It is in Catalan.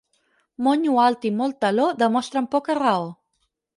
Monyo alt i molt taló demostren poca raó.